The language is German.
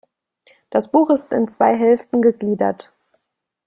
Das Buch ist in zwei Hälften gegliedert.